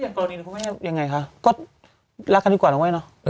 อย่างตอนนี้คุณแม่ยังไงค่ะก็รักกันดีกว่านะเว้ยเนอะ